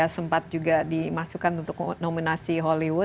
sempat juga dimasukkan untuk nominasi hollywood